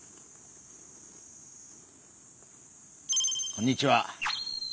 こんにちは。